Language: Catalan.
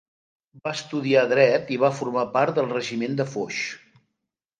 Va estudiar dret i va formar part del regiment de Foix.